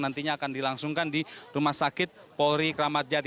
nantinya akan dilangsungkan di rumah sakit polri kramat jati